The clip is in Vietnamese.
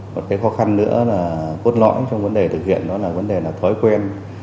một cái khó khăn nữa là cốt lõi trong vấn đề thực hiện đó là vấn đề là thói quen